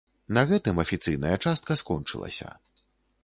На гэтым афіцыйная частка скончылася.